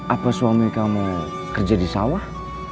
apa suami kamu kerja di sawah